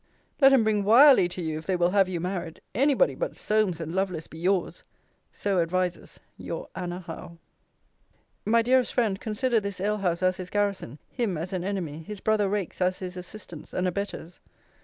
Let 'em bring Wyerley to you, if they will have you married any body but Solmes and Lovelace be yours! So advises Your ANNA HOWE. My dearest friend, consider this alehouse as his garrison: him as an enemy: his brother rakes as his assistants and abettors.